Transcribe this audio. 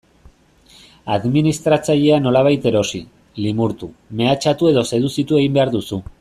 Administratzailea nolabait erosi, limurtu, mehatxatu edo seduzitu egin behar duzu.